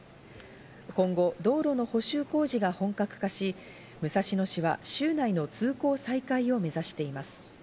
今後、道路の補修工事が本格化し、武蔵野市は週内の通行再開を目指しています。